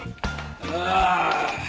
ああ。